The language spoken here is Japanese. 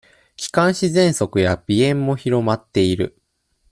気管支ぜんそくや鼻炎も広まっている。